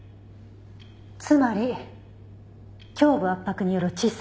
つまり胸部圧迫による窒息死。